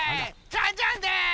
ジャンジャンです！